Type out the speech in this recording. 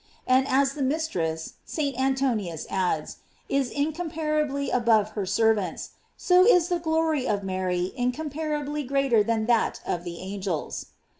§ And as the mis tress, St. Antoninus adds, is incomparably above her servants, so is the glory of Mary incompara bly greater than that of the an gels.